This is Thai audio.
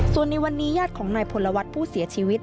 ส่วนในวันนี้ญาติของนายพลวัฒน์ผู้เสียชีวิต